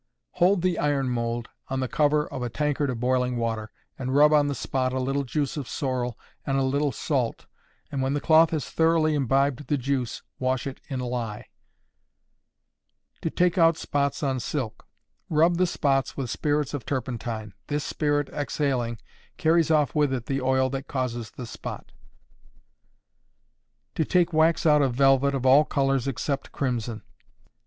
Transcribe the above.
_ Hold the iron mould on the cover of a tankard of boiling water, and rub on the spot a little juice of sorrel and a little salt; and when the cloth has thoroughly imbibed the juice, wash it in lye. To take out Spots on Silk. Rub the spots with spirits of turpentine; this spirit exhaling, carries off with it the oil that causes the spot. _To take Wax out of Velvet of all Colors except Crimson.